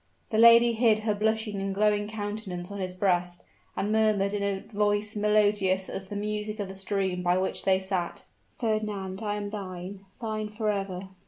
The lady hid her blushing, glowing countenance on his breast, and murmured in a voice melodious as the music of the stream by which they sat, "Fernand, I am thine thine forever."